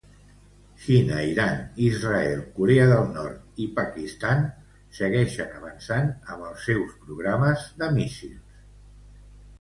China, Iran, Israel, Corea del Nord i Pakistan segueixen avançant amb el seus programes de míssils.